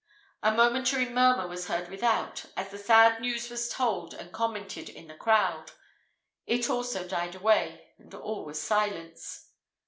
A momentary murmur was heard without, as the sad news was told and commented in the crowd: it also died away, and all was silence.